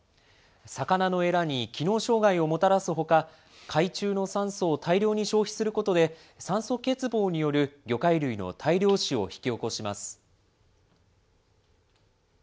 魚のえらに機能障害をもたらすほか、海中の酸素を大量に消費することで、酸素欠乏による魚介類の大量死を引き起こします。